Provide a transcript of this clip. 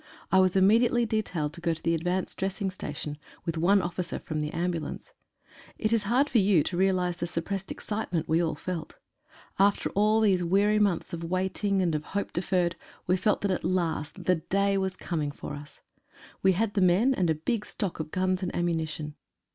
I was immediately de tailed to go to the advanced Dressing Station, with one officer from the ambulance. It is hard for you to realize the suppressed excitement we all felt. After all these weary months of waiting and of hope deferred, we felt that at last "the day" was coming for us. We had the men and a big stock of guns and ammunition.